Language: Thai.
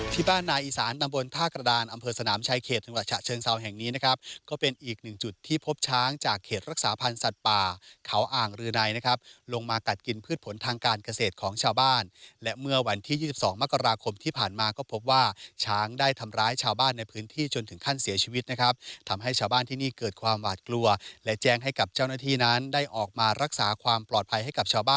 ที่บ้านนายอีสานตำบลท่ากระดานอำเภอสนามชายเขตจังหวัดฉะเชิงเซาแห่งนี้นะครับก็เป็นอีกหนึ่งจุดที่พบช้างจากเขตรักษาพันธ์สัตว์ป่าเขาอ่างรือในนะครับลงมากัดกินพืชผลทางการเกษตรของชาวบ้านและเมื่อวันที่๒๒มกราคมที่ผ่านมาก็พบว่าช้างได้ทำร้ายชาวบ้านในพื้นที่จนถึงขั้นเสียชีวิ